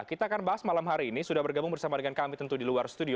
kita akan bahas malam hari ini sudah bergabung bersama dengan kami tentu di luar studio